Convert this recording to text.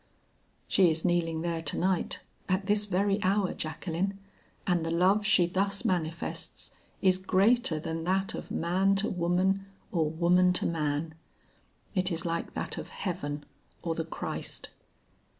She is kneeling there to night, at this very hour, Jacqueline, and the love she thus manifests is greater than that of man to woman or woman to man. It is like that of heaven or the Christ."